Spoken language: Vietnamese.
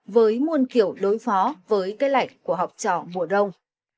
với muôn kiểu đối phó với cái lạnh của học trò mùa đông